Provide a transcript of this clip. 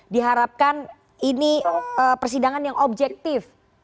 diharapkan ini persidangan yang objektif